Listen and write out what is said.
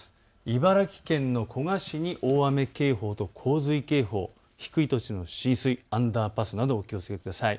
茨城県の古河市に大雨警報と洪水警報低い土地の浸水、アンダーパスなどお気をつけください。